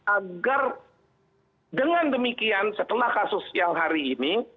agar dengan demikian setelah kasus yang hari ini